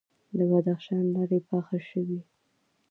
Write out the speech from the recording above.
د بدخشان لارې پاخه شوي؟